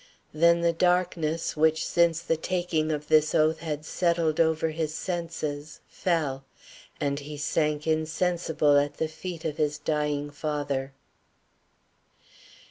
Then the darkness, which since the taking of this oath had settled over his senses, fell, and he sank insensible at the feet of his dying father.